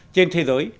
trên thế giới